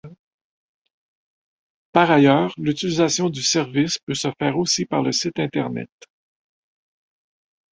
Par ailleurs, l'utilisation du service peut se faire aussi par le site internet.